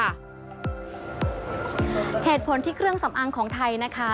เหตุผลที่เครื่องสำอางของไทยนะคะ